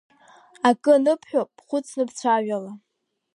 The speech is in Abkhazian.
Акы аныбҳәо бхәыцны бцәажәала!